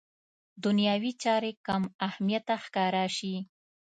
دنیوي چارې کم اهمیته ښکاره شي.